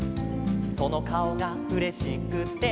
「そのかおがうれしくて」